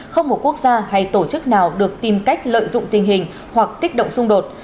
không một quốc gia hay tổ chức nào được tìm cách lợi dụng tình hình hoặc kích động xung đột